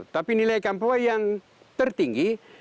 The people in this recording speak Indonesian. tapi nilai kampua yang tertinggi